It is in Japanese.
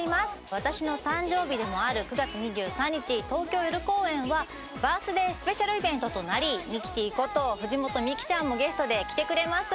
私の誕生日でもある９月２３日東京夜公演はバースデースペシャルイベントとなりミキティこと藤本美貴ちゃんもゲストで来てくれます